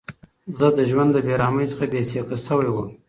زه د ژوند له بېرحمۍ څخه بېسېکه شوی وم.